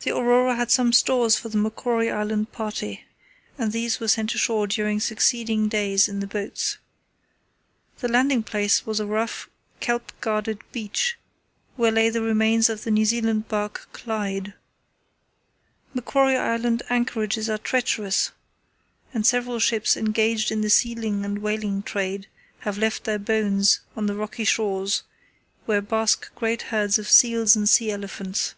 The Aurora had some stores for the Macquarie Island party, and these were sent ashore during succeeding days in the boats. The landing place was a rough, kelp guarded beach, where lay the remains of the New Zealand barque Clyde. Macquarie Island anchorages are treacherous, and several ships engaged in the sealing and whaling trade have left their bones on the rocky shores, where bask great herds of seals and sea elephants.